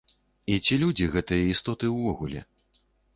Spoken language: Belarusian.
І ці людзі гэтыя істоты, увогуле?